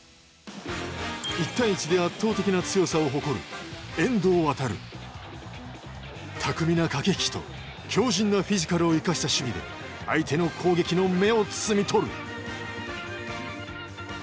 １対１で圧倒的な強さを誇る巧みな駆け引きと強じんなフィジカルを生かした守備で相手の攻撃の芽を摘み取る。